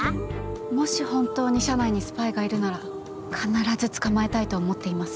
もし本当に社内にスパイがいるなら必ず捕まえたいと思っています。